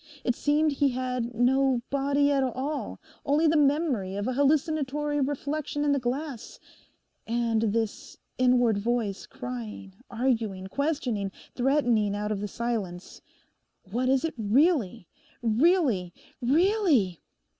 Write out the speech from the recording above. It seemed he had no body at all—only the memory of an hallucinatory reflection in the glass, and this inward voice crying, arguing, questioning, threatening out of the silence—'What is it really—really—really?